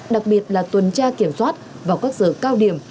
đặc biệt là tuần tra kiểm soát vào các giờ cao điểm